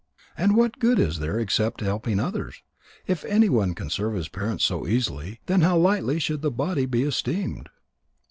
And what good is there except helping others? If anyone can serve his parents so easily, then how lightly should the body be esteemed!"